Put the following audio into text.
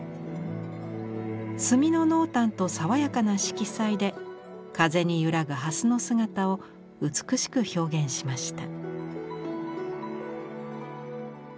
墨の濃淡とさわやかな色彩で風に揺らぐ蓮の姿を美しく表現しました。